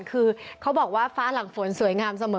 คือเขาบอกว่าฟ้าหลังฝนสวยงามเสมอ